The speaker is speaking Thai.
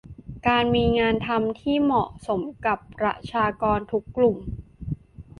การมีงานทำที่เหมาะสมกับประชากรทุกกลุ่ม